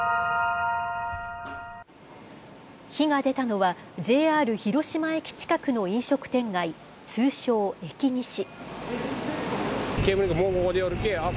火が出たのは、ＪＲ広島駅近くの飲食店街、通称、エキニシ。